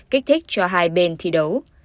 kích thích cho hai bên thi đấu